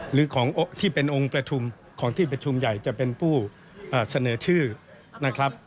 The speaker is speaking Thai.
หรือของที่เป็นองค์ประชุมของที่ประชุมใหญ่จะเป็นผู้เสนอชื่อนะครับ